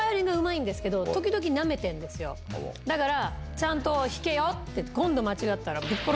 だから。